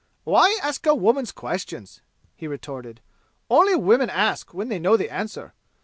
"Why ask a woman's questions?" he retorted. "Only women ask when they know the answer.